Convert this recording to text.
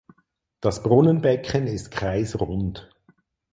Das Brunnenbecken ist kreisrund.